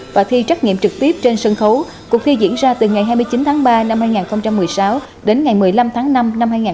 và thi trắc nghiệm trực tiếp trên sân khấu cuộc thi diễn ra từ ngày hai mươi chín tháng ba năm hai nghìn một mươi sáu đến ngày một mươi năm tháng năm năm hai nghìn một mươi tám